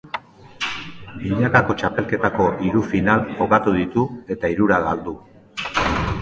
Binakako txapelketako hiru final jokatu ditu eta hirurak galdu.